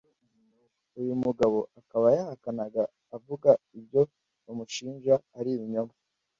Uyu mugabo aka yahakanaga avuga ibyo bamushinja ari ibinyoma